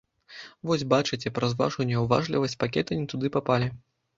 Вось бачыце, праз вашу няўважлівасць пакеты не туды папалі.